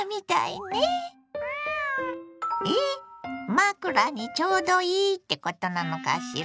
⁉枕にちょうどいいってことなのしら？